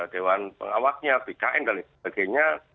dewan pengawasnya bkn dan sebagainya